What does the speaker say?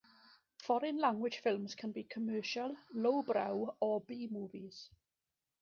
Foreign language films can be commercial, low brow or B-movies.